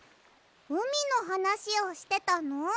うみのはなしをしてたの？